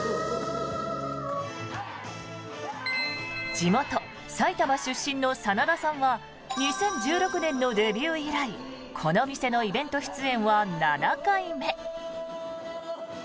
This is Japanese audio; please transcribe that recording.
地元・埼玉出身の真田さんは２０１６年のデビュー以来この店のイベント出演は７回目。